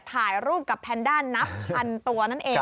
ถ่ายรูปกับแพนด้านับพันตัวนั่นเอง